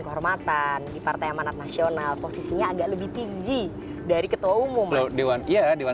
kehormatan di partai amanat nasional posisinya agak lebih tinggi dari ketua umum lewat dewan iya dewan